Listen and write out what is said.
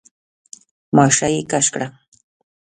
ماشه يې کش کړه.